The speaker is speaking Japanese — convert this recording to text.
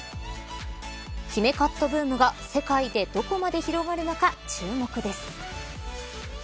姫カットブームが世界でどこまで広がるのか注目です。